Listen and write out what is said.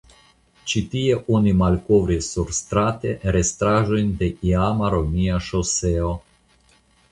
Ĉi tie oni malkovris surstrate restaĵojn de iama romia ŝoseo.